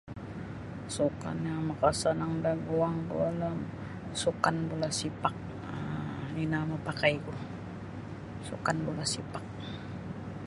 Sukan yang makasonang daguangkulah sukan bola sepak um ino mapakaiku sukan bola sepak.